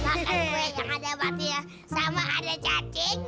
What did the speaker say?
makan kue yang ada batunya sama ada cacingnya